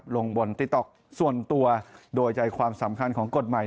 ลงบนติ๊กต๊อกส่วนตัวโดยใจความสำคัญของกฎหมาย